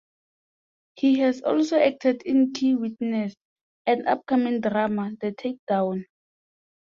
He has also acted in "Key Witness" and upcoming drama "The Take Down".